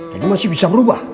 jadi masih bisa berubah